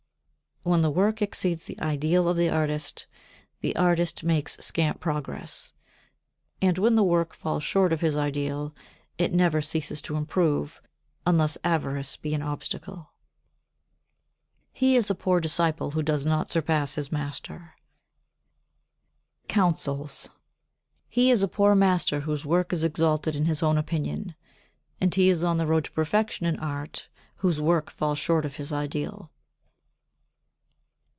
41. When the work exceeds the ideal of the artist, the artist makes scant progress; and when the work falls short of his ideal it never ceases to improve, unless avarice be an obstacle. 42. He is a poor disciple who does not surpass his master. [Sidenote: Counsels] 43. He is a poor master whose work is exalted in his own opinion, and he is on the road to perfection in art whose work falls short of his ideal.